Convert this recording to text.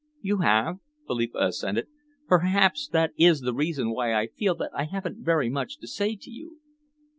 "You have," Philippa assented. "Perhaps that is the reason why I feel that I haven't very much to say to you."